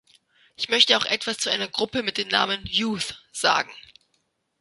Ich möchte auch etwas zu einer Gruppe mit dem Namen "Youth" sagen.